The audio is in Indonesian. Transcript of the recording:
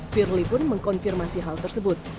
firly pun mengkonfirmasi hal tersebut